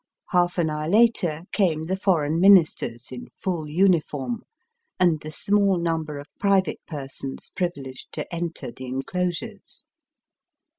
Half an hour later came the foreign Ministers, in full uniform, and the small number of private persons privileged to enter the enclosures.